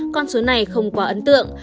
con số này không quá ấn tượng